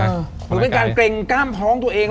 หรือเป็นการเกร็งกล้ามท้องตัวเอง